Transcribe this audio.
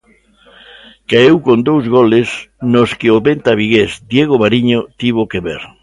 Caeu con dous goles nos que o meta vigués Diego Mariño tivo que ver.